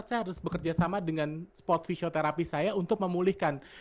saya harus bekerja sama dengan sport fisioterapi saya untuk memulihkan